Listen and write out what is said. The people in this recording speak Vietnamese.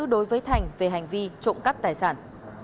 đối với thành về hành vi trộm cắp tài sản